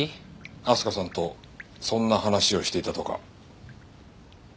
明日香さんとそんな話をしていたとか。